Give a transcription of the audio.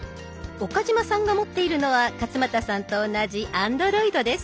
岡嶋さんが持っているのは勝俣さんと同じＡｎｄｒｏｉｄです。